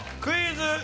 クイズ。